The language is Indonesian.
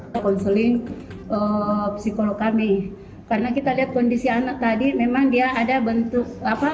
kita konsulin psikolog kami karena kita lihat kondisi anak tadi memang dia ada bentuk